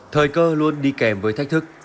thời cơ luôn đi kèm với thách thức